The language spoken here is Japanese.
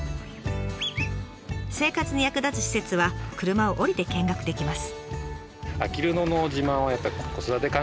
生活に役立つ施設は車を降りて見学できます。